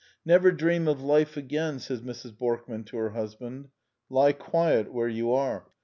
*' Never dream of life again,'' says Mrs. Borkman to her husband: "lie quiet where you are."